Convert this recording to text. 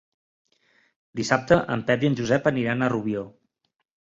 Dissabte en Pep i en Josep aniran a Rubió.